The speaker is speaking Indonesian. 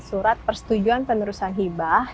surat persetujuan penerusan hibah